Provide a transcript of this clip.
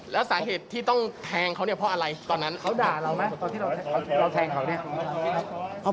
และสาเหตุที่ต้องแทงเขาเนี่ยเพราะอะไรตอนนั้นขอบบ